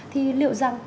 thì liệu rằng